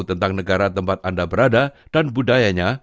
tentang negara tempat anda berada dan budayanya